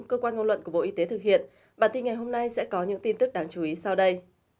cơ quan ngôn luận của bộ y tế thực hiện bản tin ngày hôm nay sẽ có những tin tức đáng chú ý sau đây